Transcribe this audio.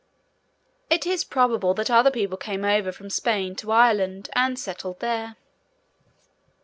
It is probable that other people came over from Spain to Ireland, and settled there.